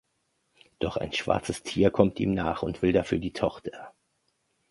Doch ein schwarzes Tier kommt ihm nach und will dafür die Tochter.